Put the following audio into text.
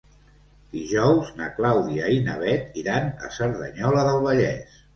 Dijous na Clàudia i na Bet iran a Cerdanyola del Vallès.